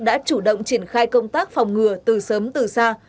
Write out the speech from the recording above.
đã chủ động triển khai công tác phòng ngừa từ sớm từ xa